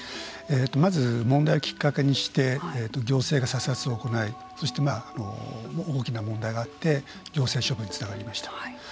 まず、問題をきっかけにして行政が査察を行いそして、大きな問題があって行政処分につながりました。